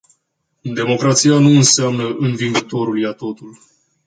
Democrația nu înseamnă "învingătorul ia totul”.